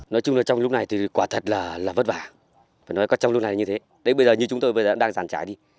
nói chung là trong lúc này thì quả thật là vất vả phải nói có trong lúc này là như thế đấy bây giờ như chúng tôi bây giờ đang giàn trái đi